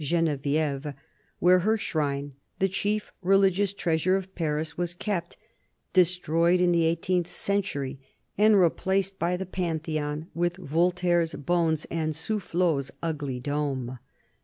Genevieve, where her shrine, the chief religious treasure of Paris, was kept ; destroyed in the eighteenth century and replaced by the Pantheon with Voltaire's bones and Soufflot's ugly dome.